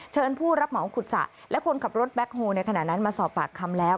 ผู้รับเหมาขุดสะและคนขับรถแบ็คโฮลในขณะนั้นมาสอบปากคำแล้ว